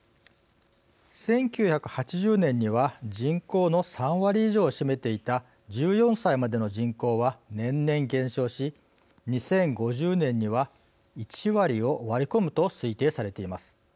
１９８０年には人口の３割以上を占めていた１４歳までの人口は年々減少し２０５０年には１割を割り込むと推定されています。